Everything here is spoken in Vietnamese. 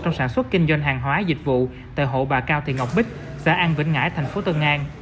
trong sản xuất kinh doanh hàng hóa dịch vụ tại hộ bà cao thị ngọc bích xã an vĩnh ngãi thành phố tân an